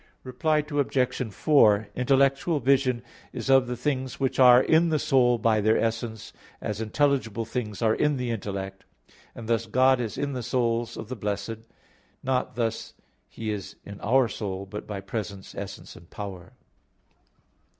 Reply Obj. 4: Intellectual vision is of the things which are in the soul by their essence, as intelligible things are in the intellect. And thus God is in the souls of the blessed; not thus is He in our soul, but by presence, essence and power.